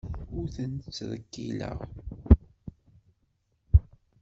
Ur ten-ttrekkileɣ.